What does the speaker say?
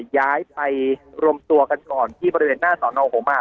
ย้ายไปรวมตัวกันก่อนที่บริเวณหน้าสอนอหัวหมาก